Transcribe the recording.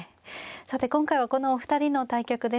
さて今回はこのお二人の対局です。